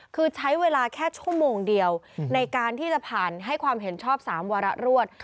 คือใช้เวลาแค่ชั่วโมงเดียวในการที่จะผ่านให้ความเห็นชอบ๓วาระรวด